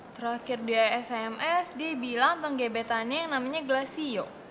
terakhir di sms dia bilang tentang gebetannya yang namanya glasio